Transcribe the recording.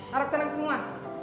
harap tenang semua